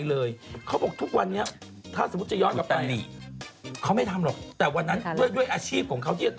แต่เขาบอกว่าพระที่ยิ่งไม่เข้าจริงมี